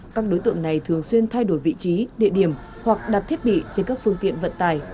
các đối tượng này thường xuyên thay đổi vị trí địa điểm hoặc đặt thiết bị trên các phương tiện vận tải